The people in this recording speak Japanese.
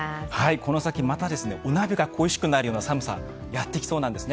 この先、またお鍋が恋しくなるような寒さがやってきそうなんですね。